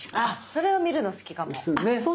それを見るの好きかも。ね。